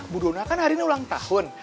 bu dona kan hari ini ulang tahun